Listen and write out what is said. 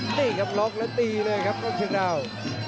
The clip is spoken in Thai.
นั่นนี่ครับล็อกและตีด้วยครับโน้นคืนดาว